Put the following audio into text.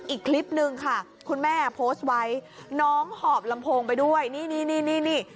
อีกคลิปนึงค่ะคุณแม่โพสต์ไว้น้องหอบลำโพงไปด้วยนี่นี่